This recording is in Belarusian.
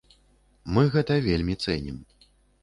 Мы гэта вельмі цэнім.